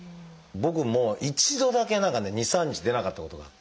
僕も一度だけ何かね２３日出なかったことがあって。